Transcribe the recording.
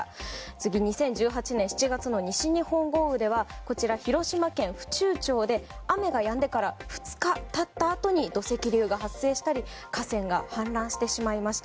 次に、２０１８年７月の西日本豪雨では広島県府中町で雨がやんでから２日経ったあとに土石流が発生したり河川が氾濫してしまいました。